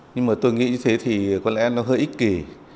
nhưng mà tôi nghĩ như thế thì có lẽ nó hơi ích kỷ